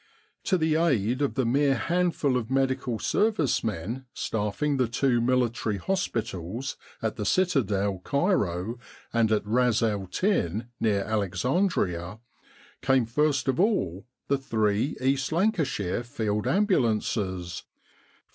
To the aid of the mere handful of Medical Service men staffing the two military hospitals at the Citadel, Cairo, and at Ras el Tin, near Alexandria, came first of all the three East Lancashire Field Ambulances, With the R.